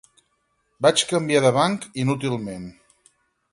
Vaig canviar de banc inútilment.